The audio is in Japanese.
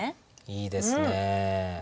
いいですねえ。